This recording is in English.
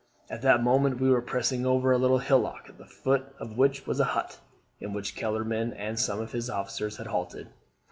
At that moment we were passing over a little hillock, at the foot of which was a hut, in which Kellerman and some of his officers had halted.